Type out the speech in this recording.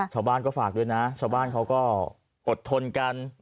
ชาวบ้านก็ฝากด้วยนะชาวบ้านเขาก็อดทนกัน